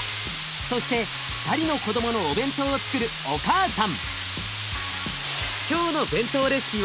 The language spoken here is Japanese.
そして２人の子どものお弁当をつくるお母さん。